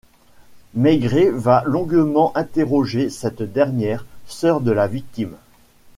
Maigret va longuement interroger cette dernière, sœur de la victime.